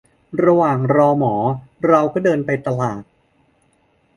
ระหว่างรอหมอ เราก็ไปเดินตลาด